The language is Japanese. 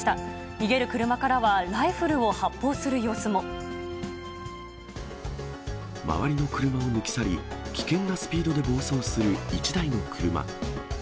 逃げる車からは、周りの車を抜き去り、危険なスピードで暴走する１台の車。